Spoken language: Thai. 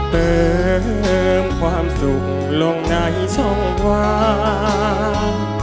เติมความสุขลงในช่องวาง